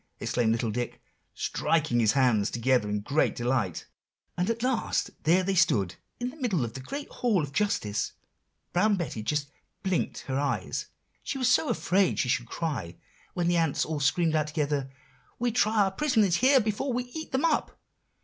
exclaimed little Dick, striking his hands together in great delight. "And at last there they stood in the middle of the great Hall of Justice. Brown Betty just blinked her eyes, she was so afraid she should cry, when the ants all screamed out together, 'We try our prisoners here before we eat them up.